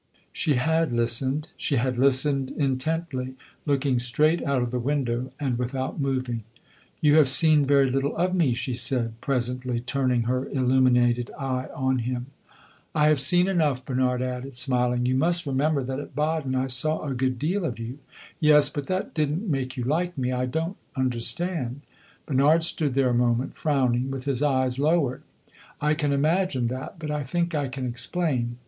She had listened she had listened intently, looking straight out of the window and without moving. "You have seen very little of me," she said, presently, turning her illuminated eye on him. "I have seen enough," Bernard added, smiling. "You must remember that at Baden I saw a good deal of you." "Yes, but that did n't make you like me. I don't understand." Bernard stood there a moment, frowning, with his eyes lowered. "I can imagine that. But I think I can explain."